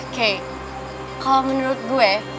kay kalau menurut gue